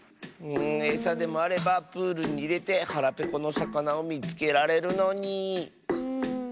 エサでもあればプールにいれてはらぺこのさかなをみつけられるのに。